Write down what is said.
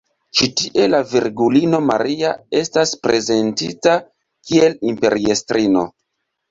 Ĉi tie la Virgulino Maria estas prezentita kiel imperiestrino.